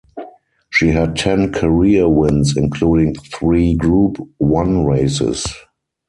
She had ten career wins including three Group one races.